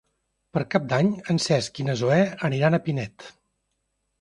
Per Cap d'Any en Cesc i na Zoè aniran a Pinet.